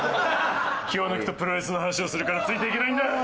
気を抜くとプロレスの話をするからついていけないんだ！